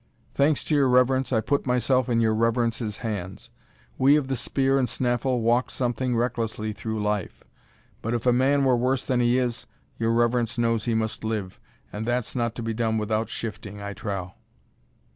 "Thanks to your reverence, I put myself in your reverence's hands. We of the spear and snaffle walk something recklessly through life; but if a man were worse than he is, your reverence knows he must live, and that's not to be done without shifting, I trow."